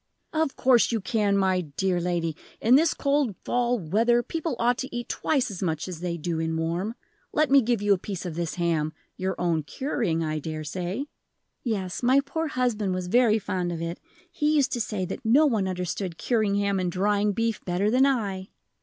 "Of course you can, my dear lady; in this cold fall weather people ought to eat twice as much as they do in warm. Let me give you a piece of this ham, your own curing, I dare say." "Yes: my poor husband was very fond of it. He used to say that no one understood curing ham and drying beef better than I."